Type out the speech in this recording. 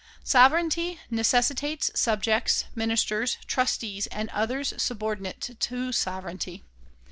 Sovereignty necessitates subjects, ministers, trustees and others subordinate to sovereignty.